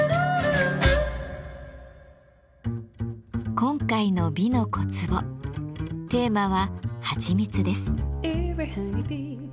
今回の「美の小壺」テーマは「はちみつ」です。